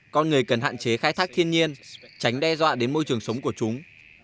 con người cần hạn chế khai thác thiên nhiên tránh đe dọa đến môi trường sống của chúng